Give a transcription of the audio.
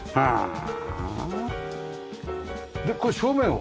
でこれ正面は？